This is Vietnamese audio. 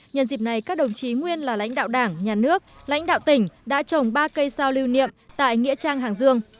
nhân dịp này các đồng chí nguyên là lãnh đạo đảng nhà nước lãnh đạo tỉnh đã trồng ba cây sao lưu niệm tại nghĩa trang hàng dương